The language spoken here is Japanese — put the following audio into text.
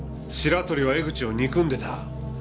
白鳥は江口を憎んでた。